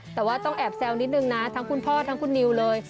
แต่ว่าต้องแอบแซวนิดนึงนะทั้งคุณพ่อทั้งคุณนิวเลย